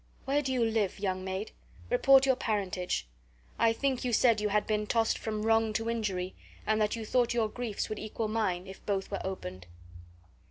Where do you live, young maid? Report your parentage. I think you said you had been tossed from wrong to injury, and that you thought your griefs would equal mine, if both were opened."